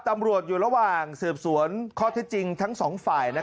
ตำรวจอยู่ระหว่างสืบสวนข้อเท็จจริงทั้งสองฝ่าย